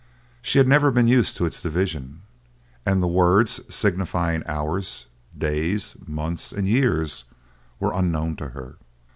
She had never been used to its division, and the words signifying hours, days, months, and years were unknown to her.